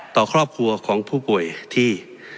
ต่อครอบครัวของผู้ป่วยที่